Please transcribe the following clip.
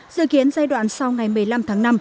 dự kiến giai đoạn sau ngày một mươi năm tháng năm